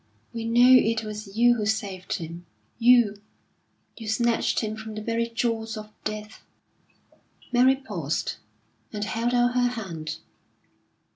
"We know it was you who saved him. You you snatched him from the very jaws of Death." Mary paused, and held out her hand.